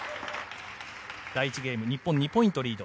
第１ゲーム、日本２ポイントリード。